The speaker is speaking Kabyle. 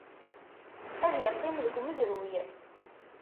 Ad yeqqim deg umezruy.